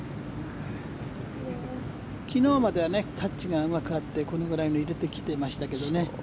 昨日まではタッチがうまく合ってこれくらいの入れてきてましたけどね。